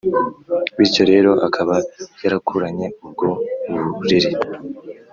Bityo rero akaba yarakuranye ubwo burere